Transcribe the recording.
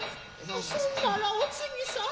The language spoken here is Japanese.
そんならおつぎさん。